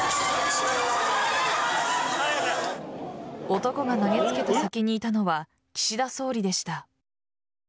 男が投げつけた先にいたのは岸田総理でした。